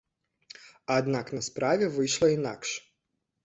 Аднак на справе выйшла інакш.